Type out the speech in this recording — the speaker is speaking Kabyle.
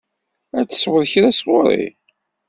Ad tesweḍ kra sɣur-i?